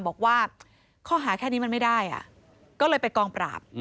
บอกว่าข้อหาแค่นี้มันไม่ได้ก็เลยไปกองปราบ